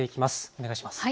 お願いします。